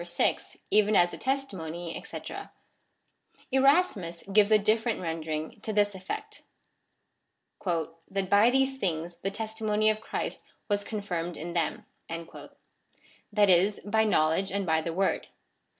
,6. Even as the testimony, &c. Erasmus gives a different rendering, to this effect, " that by these things the testi mony of Christ was confirmed in them ;" that is, by know ledge and by the word.